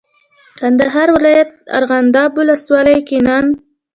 کندهار ولایت ارغنداب ولسوالۍ کې نن